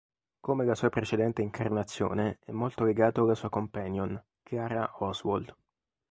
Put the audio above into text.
Come la sua precedente incarnazione è molto legato alla sua companion, Clara Oswald.